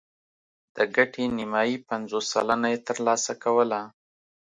د ګټې نیمايي پنځوس سلنه یې ترلاسه کوله